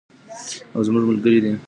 او زموږ ملګری دی.